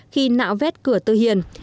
khi nạo vét cửa tư hiền